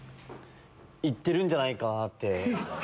行ってるんじゃないかなって。